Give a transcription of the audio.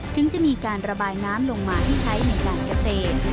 ถึงจะมีการระบายน้ำลงมาที่ใช้ในการเกษตร